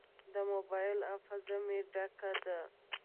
د موبایل حافظه مې ډکه ده.